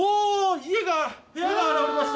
家が部屋が現れました。